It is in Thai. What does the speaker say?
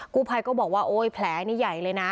กู้ภัยก็บอกว่าโอ๊ยแผลนี่ใหญ่เลยนะ